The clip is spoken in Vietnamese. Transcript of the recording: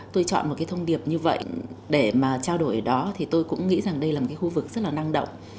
tôi chọn một cái thông điệp như vậy để mà trao đổi đó thì tôi cũng nghĩ rằng đây là một cái khu vực rất là năng động